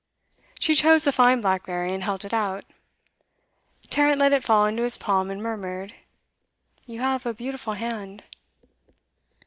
She chose a fine blackberry, and held it out. Tarrant let it fall into his palm, and murmured, 'You have a beautiful hand.